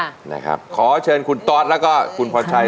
พ่อหน้ารายขอเชิญคุณตอธและพ่อนชัย